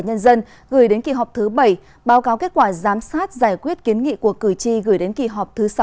nhân dân gửi đến kỳ họp thứ bảy báo cáo kết quả giám sát giải quyết kiến nghị của cử tri gửi đến kỳ họp thứ sáu